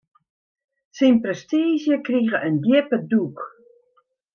Syn prestiizje krige in djippe dûk.